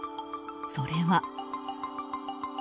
それは。